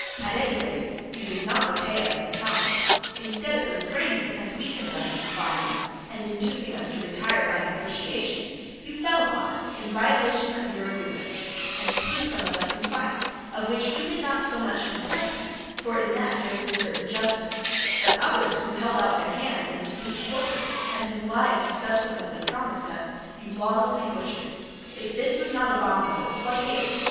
At any rate you did not repay us in kind. Instead of refraining, as we had done, from violence, and inducing us to retire by negotiation, you fell upon us in violation of your agreement, and slew some of us in fight, of which we do not so much complain, for in that there was a certain justice; but others who held out their hands and received quarter, and whose lives you subsequently promised us, you lawlessly butchered. If this was not abominable, what is?